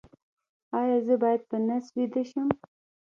ایا زه باید په نس ویده شم؟